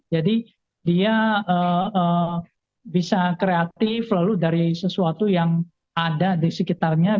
jadi dia bisa kreatif lalu dari sesuatu yang ada di sekitarnya